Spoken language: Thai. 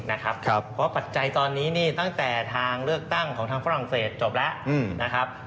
เพราะปัจจัยตอนนี้ตั้งแต่ทางเลือกตั้งของทางฝรั่งเศสจบแล้วนะครับ